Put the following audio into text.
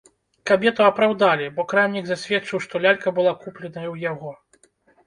Кабету апраўдалі, бо крамнік засведчыў, што лялька была купленая ў яго.